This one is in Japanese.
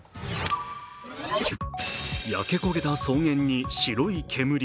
焼け焦げた草原に、白い煙。